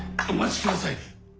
お待ちください。